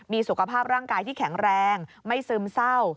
มีสุขภาพร่างกายที่แข็งแรงไม่ซึมเศร้า